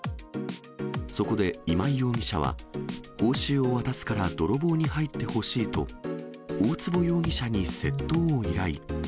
そこで今井容疑者は、報酬を渡すから泥棒に入ってほしいと、大坪容疑者に窃盗を依頼。